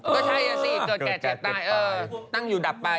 ก็ใช่อ่ะสิเกิดแก่เจ็บตายเออตั้งอยู่ดับไป